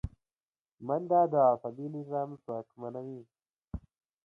منډه د عصبي نظام ځواکمنوي